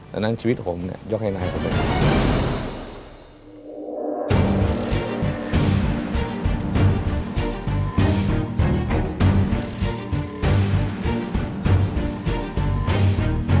ดังนั้นชีวิตผมเนี่ยยกให้นายผมเลย